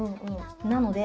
なので。